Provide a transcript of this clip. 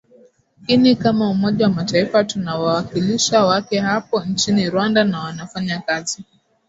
ini kama umoja wa mataifa tuna wawakilishi wake hapo nchini rwanda na wanafanya kazi